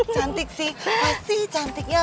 cantik sih pasti cantiknya